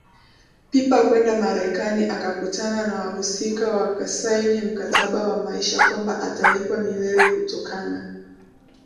Pipa kwenda Marekani akakutana na wahusika wakasaini mkataba wa maisha kwamba atalipwa milele kutokana